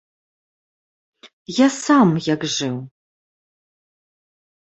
Я сам як жыў?